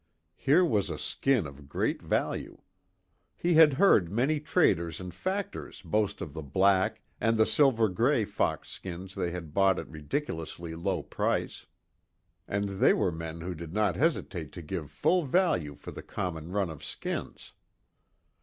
Here was a skin of great value. He had heard many traders and factors boast of the black, and the silver grey fox skins they had bought at ridiculously low price and they were men who did not hesitate to give full value for the common run of skins.